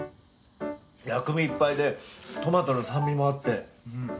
薬味いっぱいでトマトの酸味もあって。